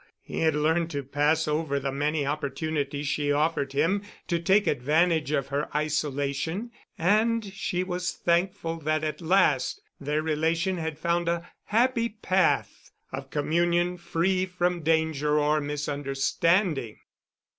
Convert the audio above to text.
He had learned to pass over the many opportunities she offered him to take advantage of her isolation, and she was thankful that at last their relation had found a happy path of communion free from danger or misunderstanding.